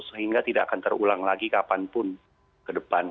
sehingga tidak akan terulang lagi kapanpun ke depan